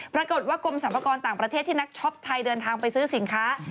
ปรากฏว่ากรมสรรพากรต่างประเทศที่นักช็อปไทยเดินทางไปซื้อสินค้า